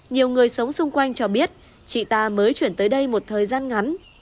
nhiều người sống xung quanh cho biết chị ta mới chuyển tới đây một thời gian ngắn